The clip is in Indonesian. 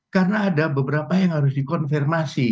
karena ada beberapa yang harus dikonfirmasi